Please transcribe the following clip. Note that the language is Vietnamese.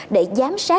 để dám sử dụng